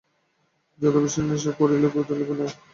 যাদবের শেষ নিশ্বাস পড়িল গোধূলিবেলায়।